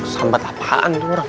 sambet apaan itu orang